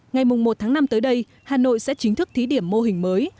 ngày một tháng năm tới đây hà nội sẽ chính thức thí điểm mô hình mới